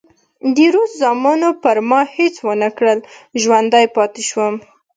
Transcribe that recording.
د روس زامنو پر ما هېڅ ونه کړل، ژوندی پاتې شوم.